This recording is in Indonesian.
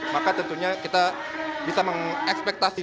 maka tentunya kita bisa mengekspektasi